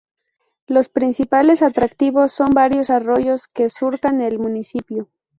Los principales atractivos son varios arroyos que surcan el municipio.